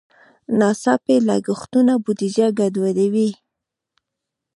ناڅاپي لګښتونه بودیجه ګډوډوي.